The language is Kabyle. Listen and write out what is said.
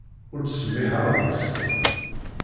Ur ttsemmiḥeɣ deg-sen.